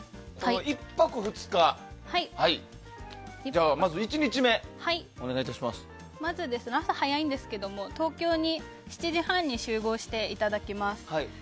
１泊２日のまず、朝早いんですけれども東京に７時半に集合していただきます。